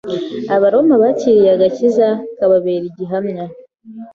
abaroma bakiriye agakiza kababera igihamya